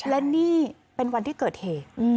และนี่เป็นวันที่เกิดเหตุ